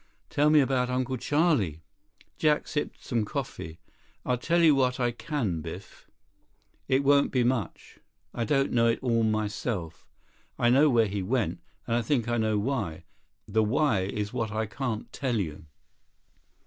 "Tell me about Uncle Charlie." Jack sipped some coffee. "I'll tell you what I can, Biff. It won't be much. I don't know it all myself. I know where he went, and I think I know why. The why is what I can't tell you."